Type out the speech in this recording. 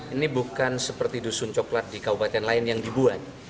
ini bukan seperti dusun coklat di kabupaten lain yang dibuat